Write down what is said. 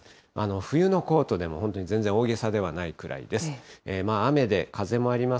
冬のコートでも本当、全然大げさではないぐらいです。